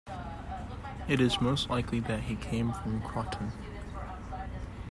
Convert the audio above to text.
It is most likely that he came from Croton.